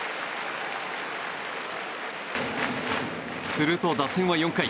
すると打線は４回。